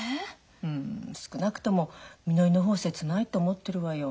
うん少なくともみのりの方を切ないと思ってるわよ。